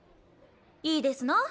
いいですの？